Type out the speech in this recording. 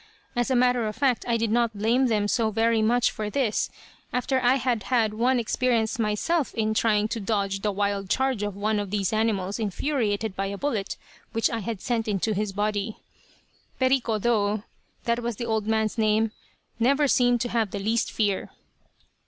As a matter of fact I did not blame them so very much for this, after I had had one experience myself in trying to dodge the wild charge of one of these animals infuriated by a bullet which I had sent into his body. "Perico, though, that was the old man's name, never seemed to have the least fear.